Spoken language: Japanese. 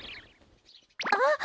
あっ！